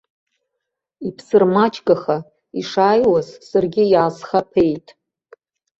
Иԥсырмаҷгаха, ишааиуаз, саргьы иаасхаԥеит.